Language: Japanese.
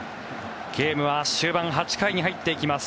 ゲームは終盤８回に入っていきます。